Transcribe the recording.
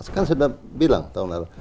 sekarang sudah bilang tahun lalu